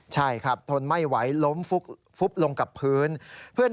ใช่ครับทนไม่ไหวล้มฟุบลงกับพื้น